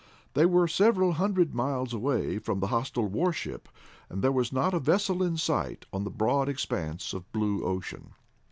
They were several hundred miles away from the hostile warship, and there was not a vessel in sight on the broad expanse of blue ocean.